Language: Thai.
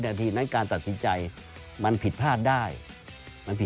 นั้นการตัดสินใจมันผิดพลาดได้